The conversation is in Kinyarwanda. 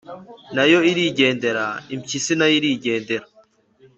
nayo irigendera. impyisi na yo irigendera